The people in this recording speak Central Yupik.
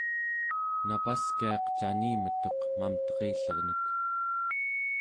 napaskiaq canimetuq mamterillernek